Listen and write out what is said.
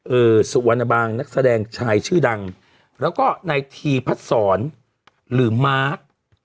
สุวรรณบางนักแสดงชายชื่อดังแล้วก็นายทีพัดศรหรือมาร์ค